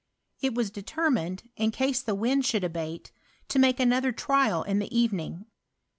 '' It was de termined, in case the wind should abate, to make another trial in the evening.